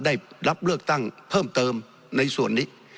ได้รับเลือกตั้งเพิ่มเติมในส่วนนี้